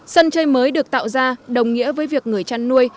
sân chơi mới được tạo ra đồng nghĩa với việc người chăn nuôi